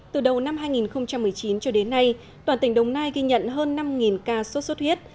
từ đầu năm hai nghìn một mươi chín cho đến nay toàn tỉnh đồng nai ghi nhận hơn năm ca sốt xuất huyết